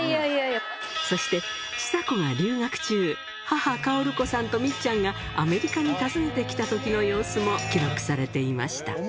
そして、ちさ子が留学中、母、薫子さんとみっちゃんが、アメリカに訪ねてきたときの様子も記録されていました。